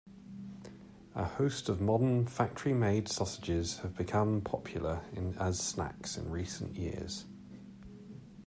A host of modern, factory-made, sausages have become popular as snacks in recent years.